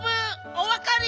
おわかり！